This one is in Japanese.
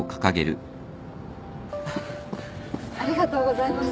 ありがとうございます。